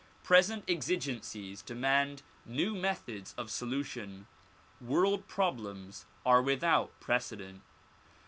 Present exi gencies demand new methods of solution; world problems are without precedent.